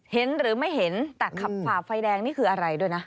เห็นหรือไม่เห็นแต่ขับฝ่าไฟแดงนี่คืออะไรด้วยนะ